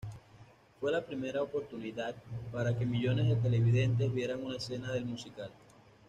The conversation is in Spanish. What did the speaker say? Fue la primera oportunidad para que millones de televidentes vieran una escena del musical.